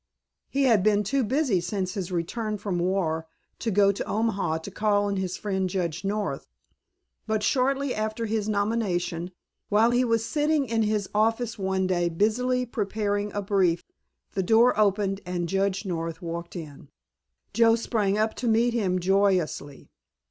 He had been too busy since his return from war to go to Omaha to call on his friend Judge North, but shortly after his nomination, while he was sitting in his office one day busily preparing a brief, the door opened and Judge North walked in. Joe sprang up to meet him joyously.